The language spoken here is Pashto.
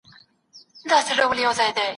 حاکمانو ته ووایاست چي سمه پرېکړه وکړي.